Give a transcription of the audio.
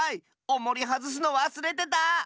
おもりはずすのわすれてた！